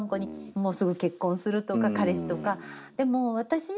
「もうすぐ結婚する」とか彼氏とか。